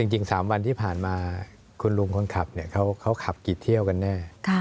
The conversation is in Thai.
จริง๓วันที่ผ่านมาคุณลุงคนขับเขาขับกี่เที่ยวกันแน่